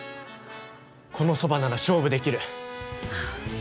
このそばなら勝負できる。